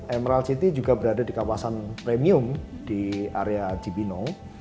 emerald city juga berada di kawasan premium di area cibinong